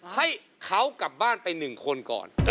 ให้เขากลับบ้านไป๑คนก่อน